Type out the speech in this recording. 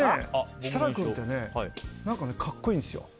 設楽君ってね何か格好いいんですよ。